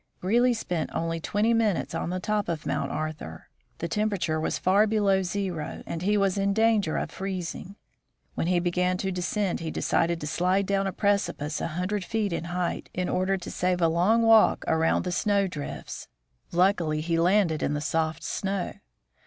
Greely spent only twenty minutes on the top of Mount Arthur. The temperature was far below zero, and he was in danger of freezing. When he began to. descend, he decided to slide down a precipice a hundred feet in height, in order to save a long walk around the snow S6 THE FROZEN NORTH drifts. Luckily he landed in the soft snow.